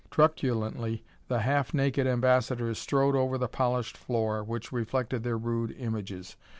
Truculently the half naked ambassadors strode over the polished floor, which reflected their rude images.